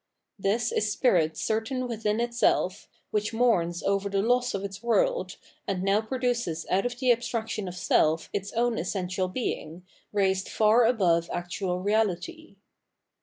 This is spirit certain within itself, which mourns over the loss of its world, and now produces out of the abstraction of self its own essential being, raised far above actual reahty.